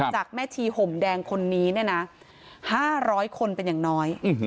จากแม่ชีห่มแดงคนนี้นะห้าร้อยคนเป็นอย่างน้อย